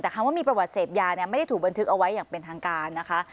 แต่คำว่ามีประวัติเสพยาเนี่ยไม่ได้ถูกบันทึกเอาไว้อย่างเป็นทางการนะคะ